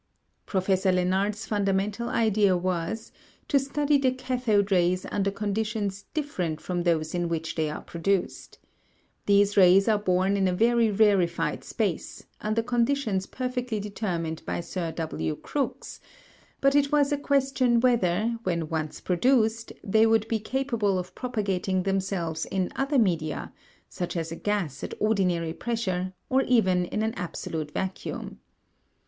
Professor Lenard's fundamental idea was to study the cathode rays under conditions different from those in which they are produced. These rays are born in a very rarefied space, under conditions perfectly determined by Sir W. Crookes; but it was a question whether, when once produced, they would be capable of propagating themselves in other media, such as a gas at ordinary pressure, or even in an absolute vacuum.